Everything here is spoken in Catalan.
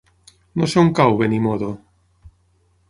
No sé on cau Benimodo.